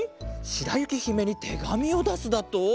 しらゆきひめにてがみをだすだと？